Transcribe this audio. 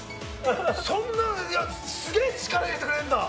そんなすげぇ力入れてくれるんだ。